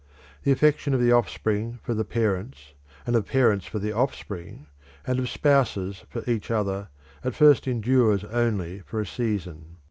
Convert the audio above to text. The affection of the offspring for the parents, and of parents for the offspring, and of spouses for each other, at first endures only for a season.